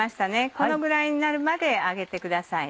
このぐらいになるまで揚げてください。